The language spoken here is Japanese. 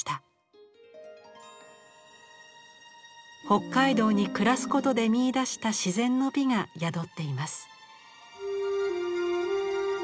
北海道に暮らすことで見いだした自然の美が宿っています。